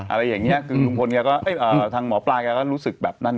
อะไรอย่างเงี้ยคือลุงพลแกก็ทางหมอปลาแกก็รู้สึกแบบนั้น